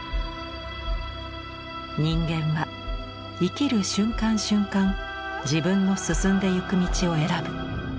「人間は生きる瞬間瞬間自分の進んでゆく道を選ぶ。